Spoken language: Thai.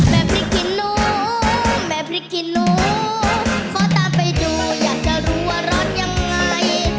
แม่พี่ขี้หนูแม่พี่ขี้หนูขอตามไปดูอยากจะรู้ว่าร้อนยังไง